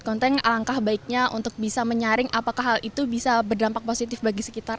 konten alangkah baiknya untuk bisa menyaring apakah hal itu bisa berdampak positif bagi sekitar